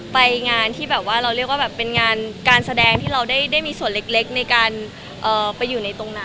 เผยงานที่เราก็เรียกว่าการแสดงที่เรามีส่วนเล็กไปอยู่ในตรงนั้น